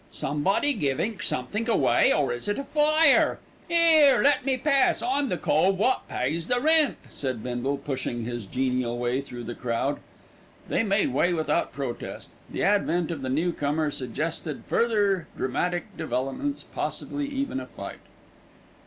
"Somebody givin' somethink away, or is it a fire? 'Ere, let me pass, I'm the cove wot pays the rent," and Bindle pushed his genial way through the crowd. They made way without protest. The advent of the newcomer suggested further dramatic developments, possibly even a fight.